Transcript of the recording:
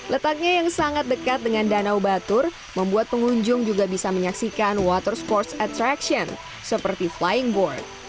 letaknya yang sangat dekat dengan danau batur membuat pengunjung juga bisa menyaksikan water sports attraction seperti flying board